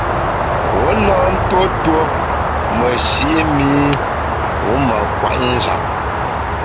Wu na ntuo tuo meshi’ mi wu mâ kwet njap.